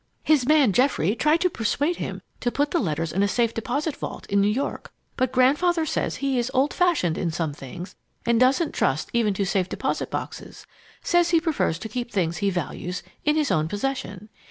"His man Geoffrey tried to persuade him to put the letters in a safe deposit vault in New York, but Grandfather says he is old fashioned in some things and doesn't trust even to safe deposit boxes says he prefers to keep things he values in his own possession.